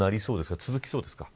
続きそうですか。